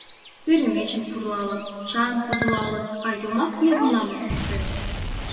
Перемечым пурлалыт, чайым подылалыт, а йомак нигунам ок пыте.